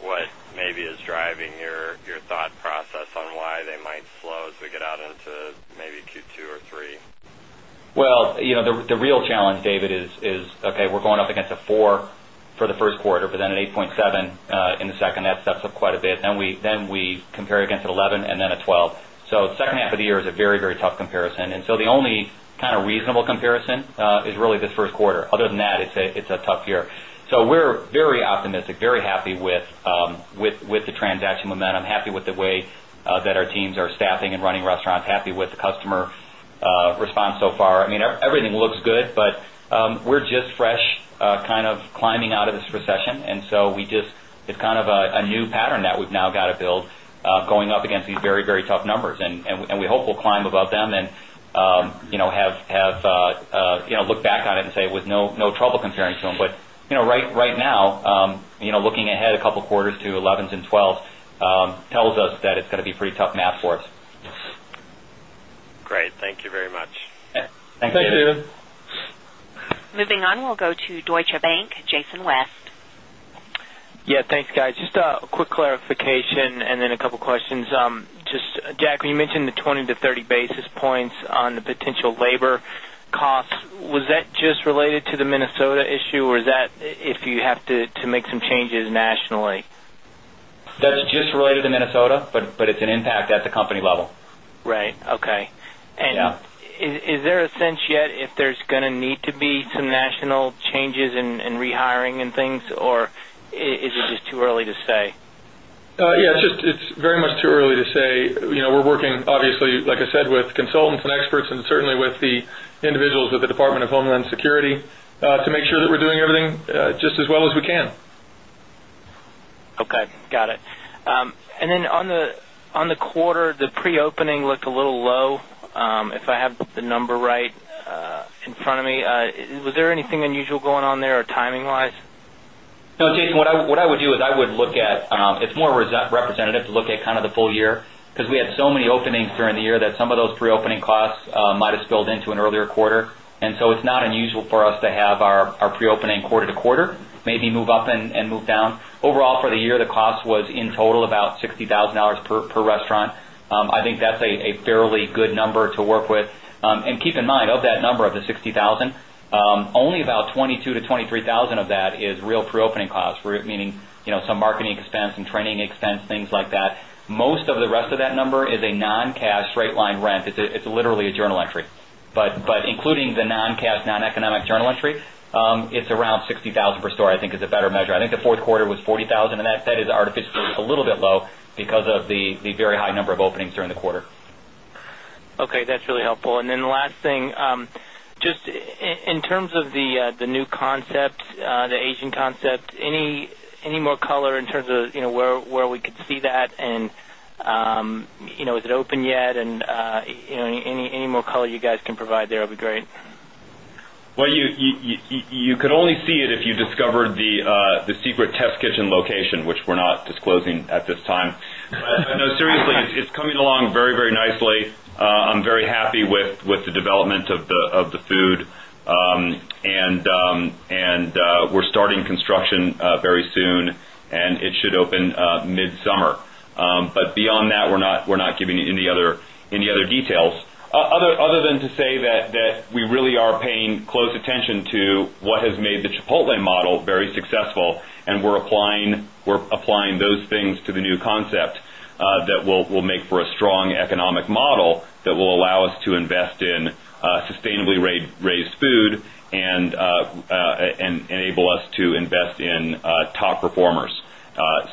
what maybe is driving your thought process on why they might slow as we get out into maybe Q2 or Q3? Well, the real challenge, David, is, okay, we're going up against a 4% for the Q1, but then an 8.7% in the second, that sets up quite a bit. And then we compare against an 11% and then a 12%. So second half of the year is a very, very tough comparison. And so the only kind of reasonable comparison is really this Q1. Other than that, it's a tough year. So we're very optimistic, very happy with the transaction momentum, happy with the way that our teams are staffing and running restaurants, happy with the customer response so far. I mean, everything looks good, but we're just fresh kind of climbing out of this recession. And so we just it's kind of a new pattern that we've now got to build going up against these very, very tough numbers. And we hope we'll climb above them and have look back on it and say with no trouble comparing to them. But right now, looking ahead a couple of quarters 11s 12s tells us that it's going to be pretty tough math for us. Great. Thank you very much. Thanks, David. Moving on, we'll go to Deutsche Bank, Jason West. Yes. Thanks, guys. Just a quick clarification and then a couple of questions. Just Jack, you mentioned the 20 to 30 basis points on the potential labor costs. Was that just related to the Minnesota issue or is that if you have to make some changes nationally? That's just related to Minnesota, but it's an impact at the company level. Right. Okay. And is there a sense yet if there's going to need to be some national changes in rehiring and things or is it just too early to say? Yes, just it's very much too early to say. We're working obviously, like I said, with consultants and experts and certainly with the individuals at the Department of Homeland Security to make sure that we're doing everything just as well as we can. Okay, got it. And then on the quarter, the pre opening looked a little low, if I have the number right in front of me. Was there anything unusual going on there or timing wise? No, Jason. What I would do is I would look at it's more representative to look at kind of the full year, because we had so many openings during the year that some of those preopening costs might have spilled into an earlier quarter. And so it's not unusual for us to have our preopening quarter to quarter, maybe move up and move down. Overall for the year, the cost was in total about $60,000 per restaurant. I think that's a fairly good number to work with. And keep in mind of that number of the 60,000, only about 22,000 to 23,000 of that is real preopening costs, meaning some marketing expense and training expense, things like that. Most of the rest of that number is a non cash straight line rent. It's literally a journal entry. But including the non cash, non economic journal entry, it's around 60,000 per store, I think is a better measure. I think the Q4 was 40,000 and that is artificially a little bit low because of the very high number of openings during the quarter. Okay. That's really helpful. And then the last thing, just in terms of the new concept, the Asian concept, any more color in terms of where we could see that? And is it open yet? And any more color you guys can provide there would be great? Well, you could only see it if you discovered the secret Test Kitchen location, which we're not disclosing at this time. But no, seriously, it's coming along very, very nicely. I'm very happy with the development of the food. And we're starting construction very soon, and it should open mid summer. But beyond that, we're not giving you any other details. Other than to say that we really are paying close attention to what has made the Chipotle model very successful, and we're applying those things to the new concept that will make for a strong economic model that will allow us to invest in sustainably raised food and enable us to invest in top performers.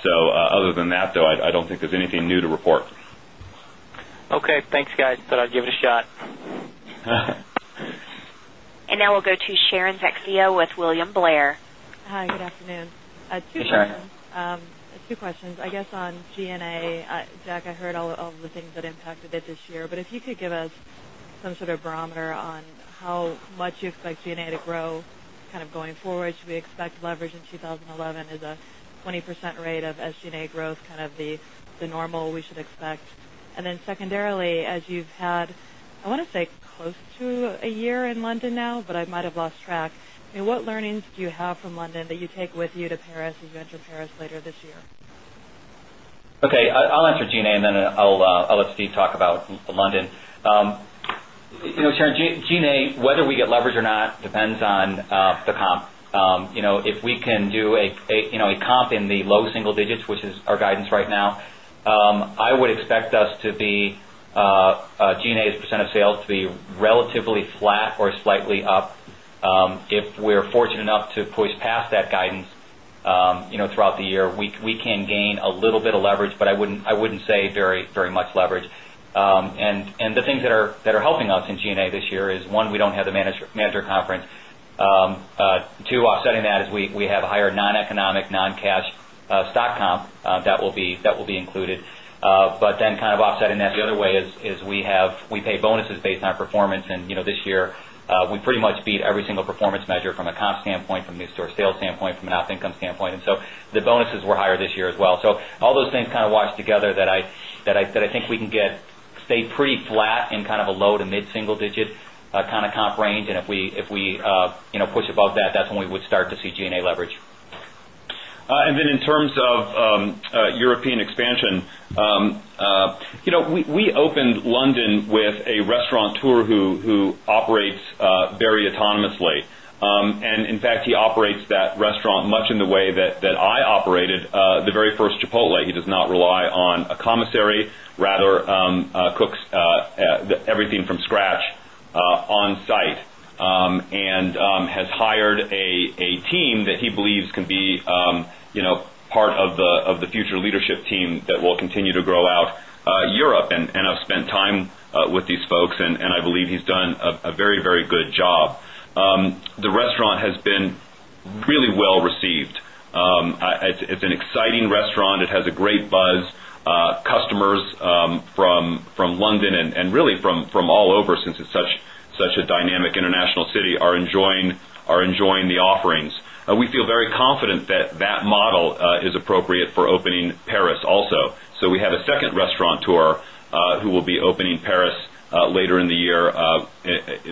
So other than that though, I don't think there's anything new to report. Okay. Thanks guys. Thought I'd give it a shot. And now we'll go to Sharon Zackfia with William Blair. Hi, good afternoon. Hi Sharon. Two questions. I guess on G and A, Jack, I heard all of the things that impacted it this year. But if you could give us some sort of barometer on how much you expect G and A to grow kind of going forward? Should we expect leverage in 2011? Is a 20% rate of SG and A growth kind of the normal we should expect? And secondarily, as you've had, I want to say, close to a year in London now, but I might have lost track, I mean, what learnings do you have from London that take with you to Paris as you enter Paris later this year? Okay. I'll answer G and A and then I'll let Steve talk about London. Sharon, G and A, whether we get leverage or not depends on the comp. If we can do a comp in the low single digits, which is our guidance right now, I would expect us to be G and A as a percent of sales to be relatively flat or slightly up. If we're fortunate enough to poise past that guidance throughout the year, we can gain a little bit of leverage, but I wouldn't say very much leverage. And the things that are helping us in G and A this year is, 1, we don't have the manager conference. 2, offsetting that is we have higher non economic, non cash stock comp that will be included. But then kind of offsetting that the other way is we have we pay bonuses based on our performance. And this year, we pretty much beat every single performance measure from a comp standpoint, from a new store sales standpoint, from an off income standpoint. And so the bonuses were higher this year as well. So all those things kind of washed together that I think we can get stay pretty flat in kind of a low to mid single digit kind of comp range. And if we push above that, that's when we would start to see G and A leverage. And then in terms of European expansion, we opened London with a restauranteur who operates very autonomously. And in fact, he operates that restaurant much in the way that I operated the very first Chipotle. He does not rely on a commissary, rather cooks everything from scratch on-site and has hired a team that he believes can be part of the future leadership team that will continue to grow out Europe. And I've spent time with these folks, and I believe he's done a very, very good job. The restaurant has been really well received. It's an exciting restaurant. It has a great buzz. Customers from London and really from all over since it's such a dynamic international city are enjoying the offerings. We feel very confident that that model is appropriate for opening Paris also. So we have a second restaurant tour who will be opening Paris later in the year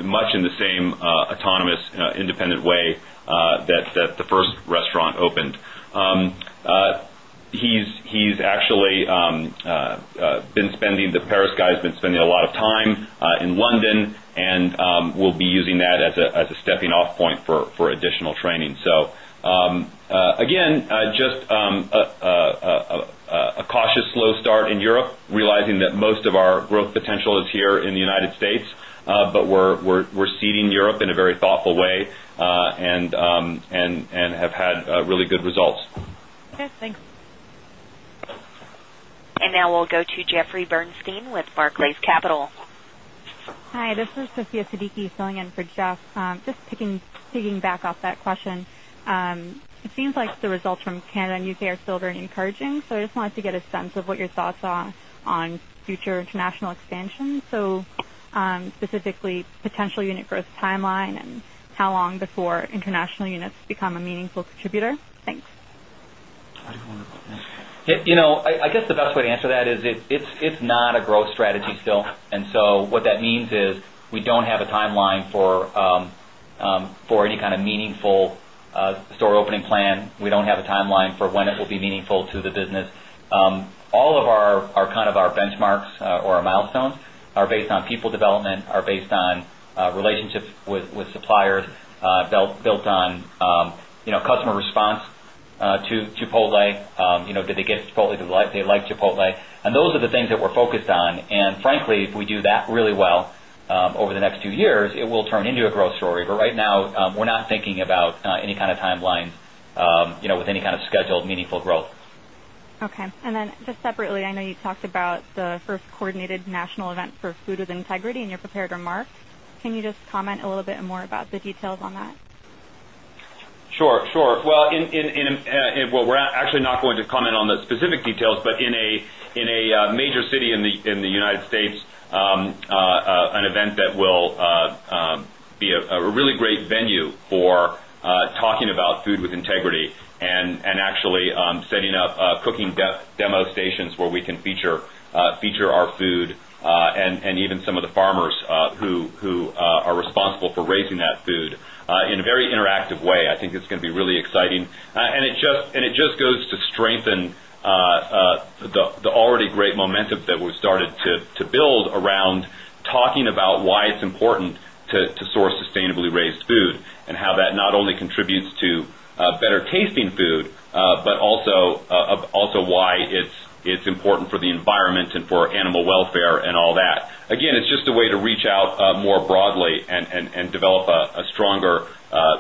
much in the same autonomous independent way that the first restaurant opened. He's actually been spending the Paris guy has been spending a lot of time in London, and we'll be using that as a stepping off point for additional training. So, again, just a cautious slow start in Europe realizing that most of our growth potential is here in the United States, but we're seeding Europe in a very thoughtful way and have had really good results. And now we'll go to Jeffrey Bernstein with Barclays Capital. Hi. This is Sofia Siddiqui filling in for Jeff. Just taking back off that question, it seems like the results from Canada and UK are still very encouraging. So I just wanted to get a sense of what your thoughts are on future international expansion. So specifically potential unit growth timeline and how long before international units become a meaningful contributor? Thanks. I guess the best way to answer that is it's not a growth strategy still. And so what that means is we don't have a timeline for any meaningful store opening plan. We don't have a timeline for when it will be meaningful to the business. All of our benchmarks or our milestones are based on people development, are based on relationships with suppliers built on customer response to Chipotle, did they get Chipotle to like they like Chipotle. And those are the things that we're focused on. And frankly, if we do that really well over the next 2 years, it will turn into a growth story. But right now, we're not thinking about any kind of timeline with any kind of scheduled remarks. Can you just comment a little bit more about the details on that? Remarks. Can you just comment a little bit more about the details on that? Sure, sure. Well, we're actually not going to comment on the specific details, but in a major city in the United States, an event that will be a really great venue for talking about food with integrity and actually setting up cooking demo stations where we can feature our food and even some of the farmers who are responsible for raising that food in a very interactive way. I think it's going to that we started to build around talking about why it's important to source sustainably raised food and how that not only contributes to better tasting food, but also why it's important for the environment and for animal welfare and all that. Again, it's just a way reach out more broadly and develop a stronger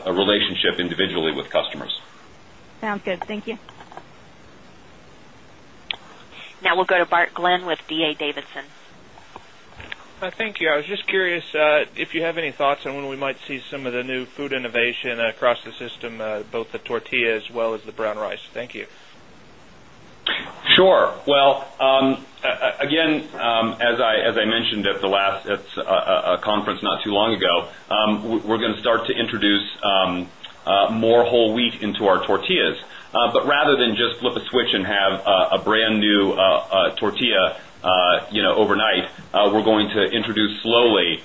relationship individually with customers. Now we'll go to Bart Glynn with D. A. Davidson. Thank you. I was just curious if you have any thoughts on when we might see some of the new food innovation across the system, both the tortilla as well as the brown rice. Thank you. Sure. Well, again, as I mentioned at the last conference not too long ago, we're going to start to introduce more whole wheat into our tortillas. But rather than just flip a switch and have a brand new tortilla overnight, we're going to introduce slowly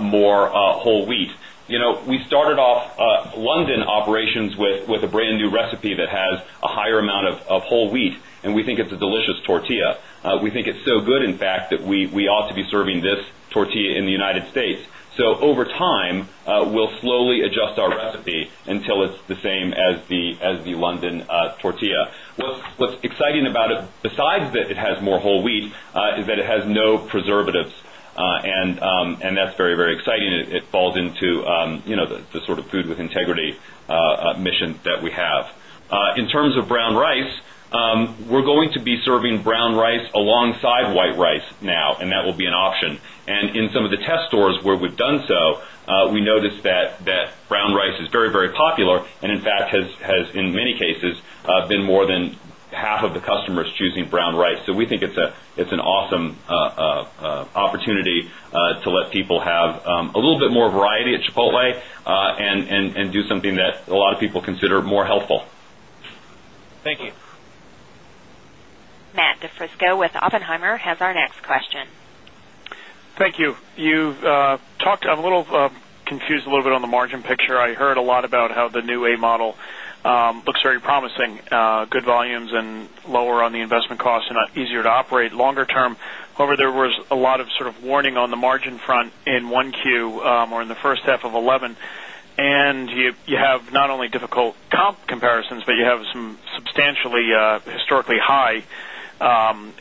more whole wheat. We started off London operations with a brand new recipe that has a higher amount of whole wheat and we think it's a delicious tortilla. We think it's so good in fact that we ought to be serving this tortilla in the United States. So over time, we'll slowly adjust our recipe until it's the same as the London Tortilla. What's exciting about it besides that it has more whole wheat is that it has no preservatives and that's very, very exciting. It falls into the sort of food with integrity mission that we have. In terms of brown rice, we're going to be serving brown rice alongside white rice now and that will be an option. And in some of the test stores where we've done so, we noticed that brown rice is very, very popular and in fact has in many cases been more than half of the customers choosing brown rice. So we think it's an awesome opportunity to let people have a little bit more variety at Chipotle and do something that a lot a lot of people consider more helpful. Thank you. Matt DiFrisco with Oppenheimer has our next question. Thank you. You've talked I'm a little confused a little bit on the margin picture. I heard a lot about how the new A model looks very promising, good volumes and lower on the investment costs and not easier to operate longer term. However, there was a lot of sort of warning on the margin front in 1Q or in the first half of twenty eleven. And you have not only difficult comp comparisons, but you have some substantially high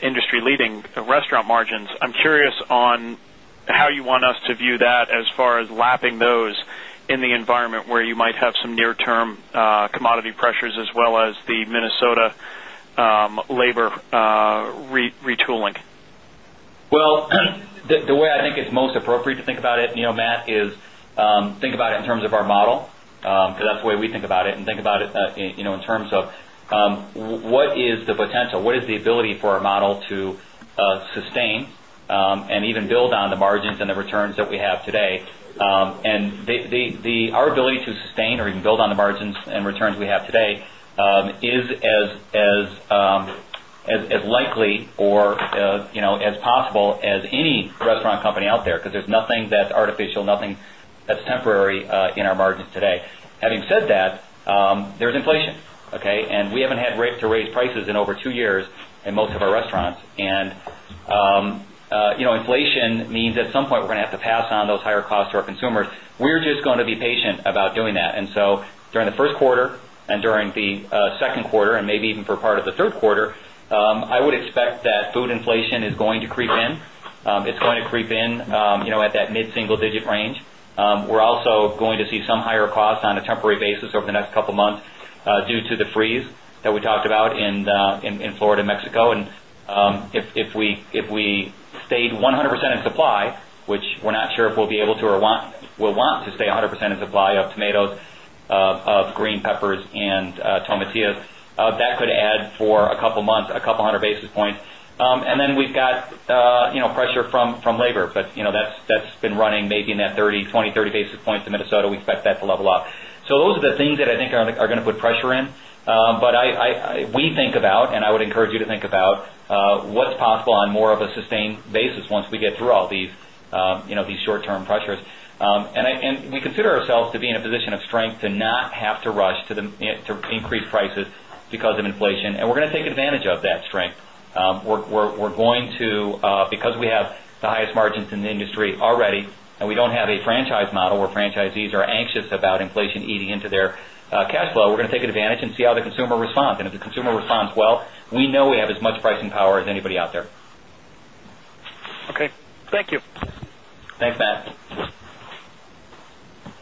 industry leading restaurant margins. I'm curious on how you want us to view that as far as lapping those in the environment where you might have some near term commodity pressures as well as the Minnesota labor retooling? Well, the way I think it's most appropriate to think about it, Matt, is think about it in terms of our model, because that's the way we think about it and think about it in terms of what is the potential, what is the ability for our model to sustain and even build on the margins and the returns that we have today. And our ability to sustain or even build on the margins and returns we have today is as likely or as possible as any restaurant company out there because there's nothing that's artificial, nothing that's temporary in our margins today. Having said that, there's inflation, okay? And we haven't had to raise prices in over 2 years in most of our restaurants. And inflation means at some point we're going to have to pass on those higher costs to our consumers. We're just going to be patient about doing that. And so during the Q1 and during the Q2 and maybe even for part of the Q3, I would expect that food inflation is going to creep in. It's going to creep at that mid single digit range. We're also going to see some higher costs on a temporary basis over the next couple of months due to the freeze that we talked about in Florida, Mexico. And if we stayed 100% in supply, which we're not sure if we'll be able to or want, we'll want to stay 100% in percent in supply of tomatoes, of green peppers and tomatillos, that could add for a couple of months, a couple of 100 basis points. And then we've got pressure from labor, but that's been running maybe in that 30, 20, 30 basis points in Minnesota. We expect that to level up. So, those are the things that I think are going to put pressure in. But we think about and I would encourage you to think about what's possible on more of a sustained basis once we get through all these short term pressures. And we consider ourselves to be in a position of strength to not have to rush to increase prices because of inflation and we're going to take advantage of that strength. We're going to because we have the highest margins the industry already and we don't have a franchise model where franchisees are anxious about inflation eating into their cash flow, we're going to take advantage and see how the consumer responds. And if the consumer responds well, we know we have as much pricing power as anybody out there. Okay. Thank you. Thanks, Matt.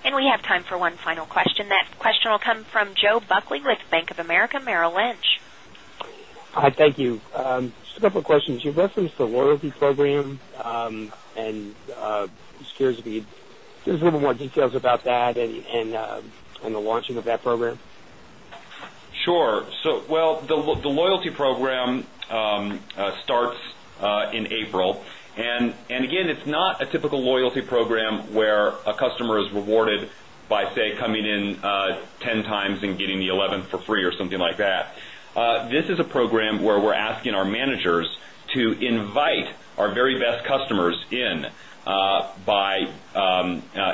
And we have time for one final question. That question will come from Joe Buckley with Bank of America Merrill Lynch. Hi, thank you. Just a couple of questions. You referenced the loyalty program and just curious if you could give us a little more details about that and the launching of that program? Sure. So well, the loyalty program starts in April. And again, it's not a typical loyalty program where a customer is rewarded by say coming in 10x and getting the 11 for free or something like that. This is a program where we're asking our managers to invite our very best customers in by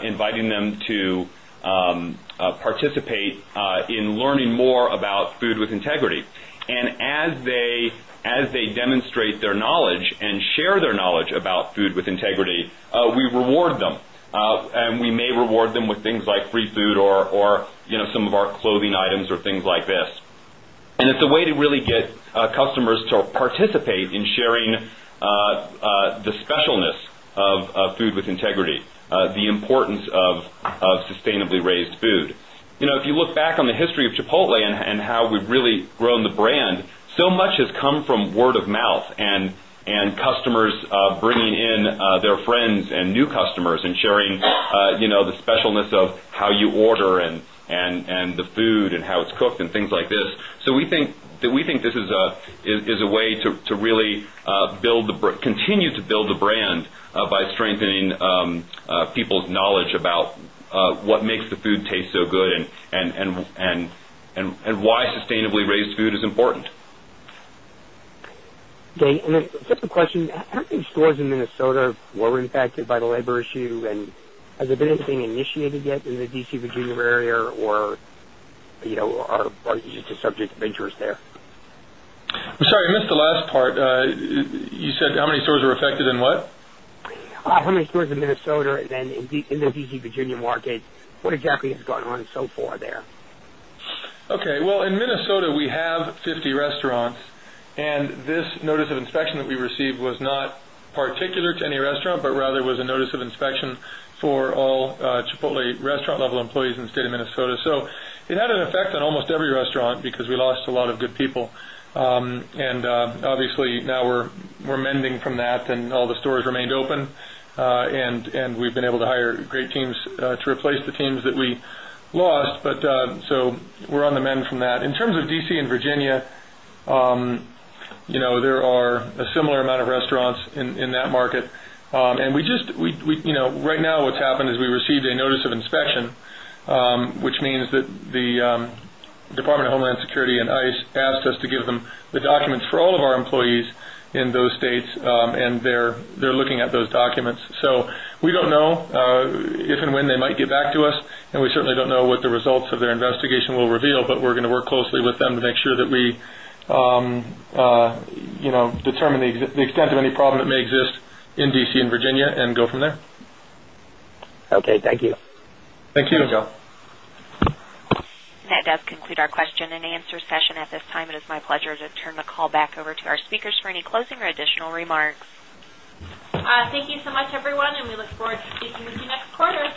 inviting them to participate in learning more about food with integrity. And as they demonstrate their knowledge and share their knowledge about food with with integrity, we reward them. And we may reward them with things like free food or some of our clothing items or things like this. And it's a way to really get customers to participate in sharing the specialness of food with integrity, the importance of sustainably raised food. If you look back on the history of Chipotle and how we've really grown the brand, so much has come from word-of-mouth and customers bringing in their friends and new customers and sharing the specialness of how you order and the food and how it's and things like this. So we think that we think this is a way to really build continue to build the brand by strengthening people's knowledge about what makes the food taste so good and why sustainably raised food is important. Okay. And then just a question. How many stores in Minnesota were impacted by the labor issue? And has there been anything initiated yet in the D. C. Virginia area or are you just subject to ventures there? I'm sorry, I missed the last part. You said how many stores are affected and what? How many stores in Minnesota and then in the D. C. Virginia market? What exactly has gone on so far there? Okay. Well, in Minnesota, we have 50 restaurants and this notice of inspection that we received was not particular to any restaurant, but rather was a notice of inspection for all Chipotle restaurant level employees in the State of Minnesota. So, it had an effect on almost every restaurant, because we lost a lot of good people. And obviously, now we're mending from that and all the stores remained open and we've been able to hire great teams to replace the teams that we lost, but so we're on the mend from that. In terms of D. C. And Virginia, there are a similar amount of restaurants in that market. And we just right now what's happened is we received a notice of inspection, which means that the Department of Homeland Security and ICE asked us to give them the documents for all of our employees in those states and they're looking at those documents. So, we don't know if and they might get back to us and we certainly don't know what the results of their investigation will reveal, but we're going to work closely with them to make sure that we determine the extent of any problem that may exist in D. C. And Virginia and go from there. Okay. Thank you. Thank you, Michael. And that does conclude our question and answer session. At this time, it is my pleasure to turn the call back over to our speakers for any closing or additional remarks. Thank you so much everyone and we look forward to speaking with you next quarter.